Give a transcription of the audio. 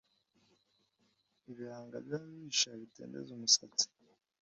ibihanga by’ababisha bitendeza imisatsi.